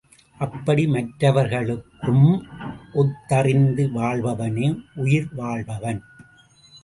அப்படி மற்றவர்க்கும் ஒத்ததறிந்து வாழ்பவனே உயிர் வாழ்பவன்.